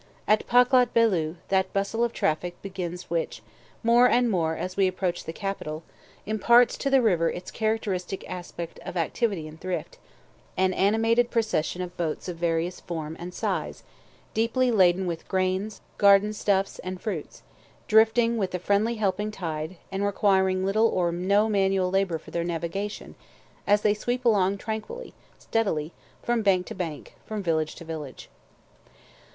At Paklat Beeloo that bustle of traffic begins which, more and more as we approach the capital, imparts to the river its characteristic aspect of activity and thrift, an animated procession of boats of various form and size, deeply laden with grain, garden stuffs, and fruits, drifting with the friendly helping tide, and requiring little or no manual labor for their navigation, as they sweep along tranquilly, steadily, from bank to bank, from village to village.